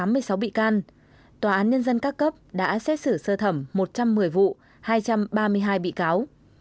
vụ hai trăm tám mươi sáu bị can tòa án nhân dân các cấp đã xét xử sơ thẩm một trăm một mươi vụ hai trăm ba mươi hai bị cáo